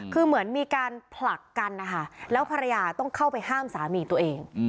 คือเหมือนมีการผลักกันนะคะแล้วภรรยาต้องเข้าไปห้ามสามีตัวเอง